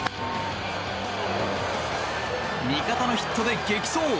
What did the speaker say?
味方のヒットで激走。